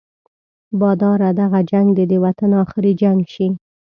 باداره دغه جنګ دې د وطن اخري جنګ شي.